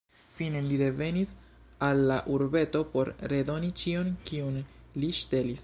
Fine, li revenis al la urbeto por redoni ĉion kiun li ŝtelis.